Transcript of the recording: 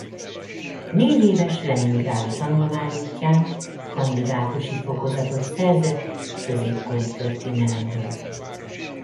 Négyéves leningrádi tanulmányútján kandidátusi fokozatot szerzett középkori történelemből.